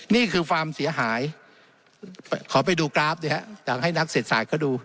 นี่คือความเสียหายขอไปดูกราฟอยากให้นักเศรษฐศาสตร์เขาดู